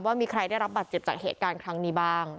ว่ามีใครได้รับบัตรเจ็บจากเหตุการณ์ครั้งนี้บ้าง